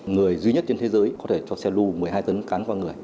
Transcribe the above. người duy nhất trên thế giới có thể cho xe lưu một mươi hai tấn cán qua người